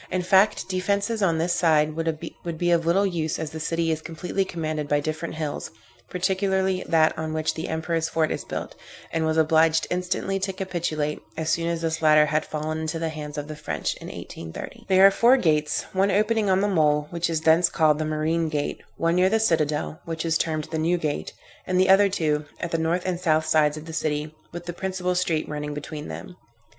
In fact defences on this side would be of little use as the city is completely commanded by different hills, particularly that on which the Emperor's fort is built, and was obliged instantly to capitulate, as soon as this latter had fallen into the hands of the French, in 1830. There are four gates; one opening on the mole, which is thence called the marine gate, one near the citadel, which is termed the new gate; and the other two, at the north and south sides of the city, with the principal street running between them.